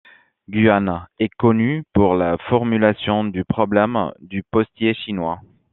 Guan est connu pour la formulation du problème du postier chinois.